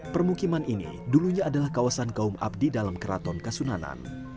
permukiman ini dulunya adalah kawasan kaum abdi dalam keraton kasunanan